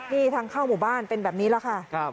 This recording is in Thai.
นี่ทางเข้าหมู่บ้านเป็นแบบนี้แหละค่ะ